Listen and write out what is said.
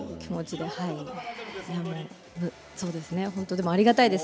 でもありがたいです。